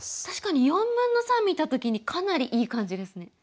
確かに４分の３見た時にかなりいい感じですね。